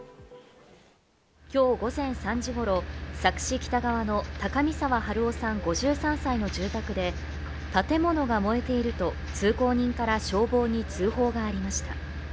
今日午前３時頃、佐久市北川の高見沢治夫さん５３歳の住宅で建物が燃えていると通行人から消防に通報がありました。